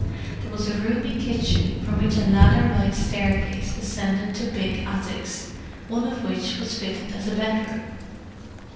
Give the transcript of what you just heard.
There was a roomy kitchen, from which a ladder like staircase ascended to big attics, one of which was fitted as a bedroom.